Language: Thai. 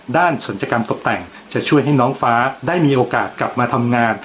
ศัลยกรรมตกแต่งจะช่วยให้น้องฟ้าได้มีโอกาสกลับมาทำงาน